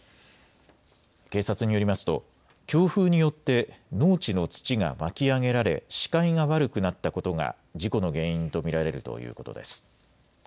警察によりますと強風によって農地の土が巻き上げられ視界が悪くなったことが事故の原因と見られるということです。